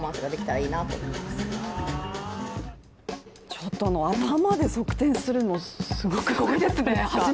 ちょっと頭で側転するのすごくないですか？